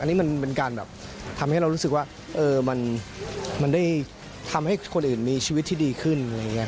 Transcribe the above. อันนี้มันการแบบทำให้เรารู้สึกว่าเออมันได้ทำให้คนอื่นมีชีวิตที่ดีขึ้น